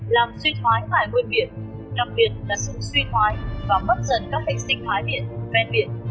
làm suy thoái tài nguyên biển đặc biệt là sự suy thoái và mất dần các hệ sinh thái biển ven biển